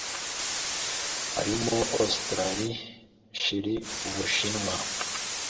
harimo Australie, Chile, u Bushinwa,